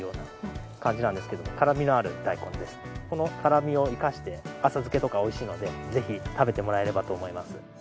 この辛みを生かして浅漬けとか美味しいのでぜひ食べてもらえればと思います。